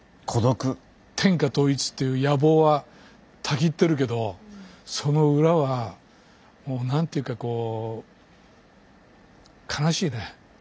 天下統一っていう野望はたぎってるけどその裏はもう何ていうかこう悲しいね。